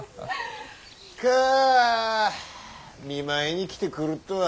かぁ見舞いに来てくるっとは。